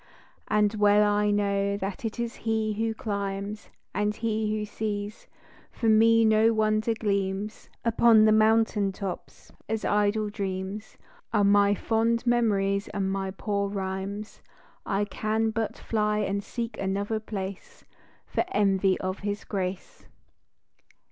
And well I know that it is he who climbs And he who sees, for me no wonder gleams Upon the mountain tops, as idle dreams Are my fond memories and my poor rhymes ; I can but fly and seek another place, For envy of his grace.